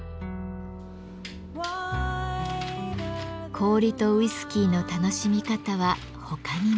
氷とウイスキーの楽しみ方は他にも。